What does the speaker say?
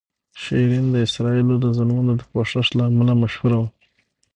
شیرین د اسرائیلو د ظلمونو د پوښښ له امله مشهوره وه.